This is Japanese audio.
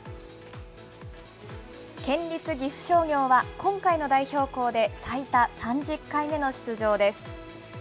県立岐阜商業は今回の代表校で最多３０回目の出場です。